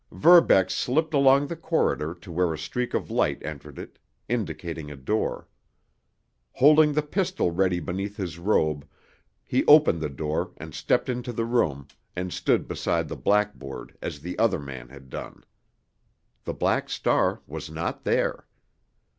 Verbeck slipped along the corridor to where a streak of light entered it, indicating a door. Holding the pistol ready beneath his robe, he opened the door and stepped into the room, and stood beside the blackboard as the other man had done. The Black Star was not there.